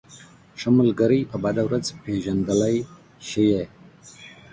ښه ملگری په بده ورځ پېژندلی شې.